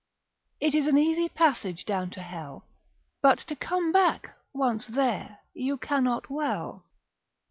——— It is an easy passage down to hell, But to come back, once there, you cannot well.